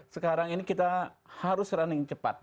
sekarang ini kita harus running cepat